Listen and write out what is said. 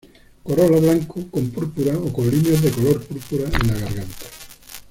Corola blanco con púrpura o con líneas de color púrpura en la garganta.